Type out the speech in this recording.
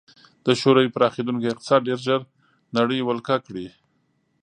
د شوروي پراخېدونکی اقتصاد ډېر ژر نړۍ ولکه کړي